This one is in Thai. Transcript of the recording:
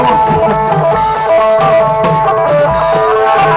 แล้วคือไพนี่ติดโทรฯ